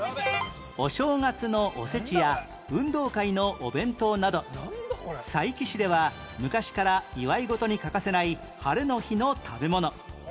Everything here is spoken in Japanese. お正月のお節や運動会のお弁当など佐伯市では昔から祝い事に欠かせないハレの日の食べ物